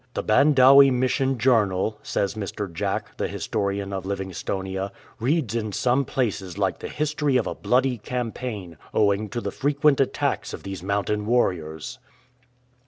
"The Bandawe Mission journal,'*'' says Mr. Jack, the historian of Livingstonia, " reads in some places like the history of a bloody campaign, owing to the frequent attacks of these mountain warriors."